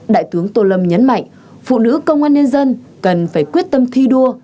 đại tướng tô lâm nhấn mạnh phụ nữ công an nhân dân cần phải quyết tâm thi đua